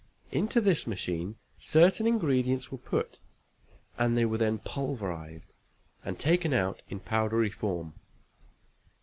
Into this machine certain ingredients were put, and they were then pulverized, and taken out in powdery form.